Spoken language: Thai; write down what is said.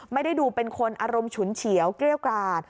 ไม่ได้ดูเป็นคนอารมณ์ฉุนเฉียวเกรี้ยวกราด